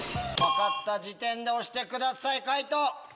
分かった時点で押してください。